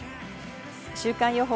週間予報